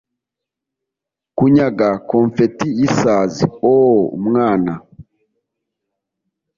kunyaga confetti yisazi. o! umwana